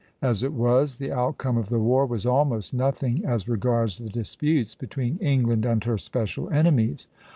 As it was, the outcome of the war was almost nothing as regards the disputes between England and her special enemies.